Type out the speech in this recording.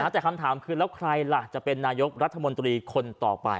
แต่คำถามคือแล้วใครล่ะจะเป็นนายกรัฐมนตรีคนต่อไป